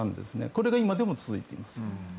これが今でも続いています。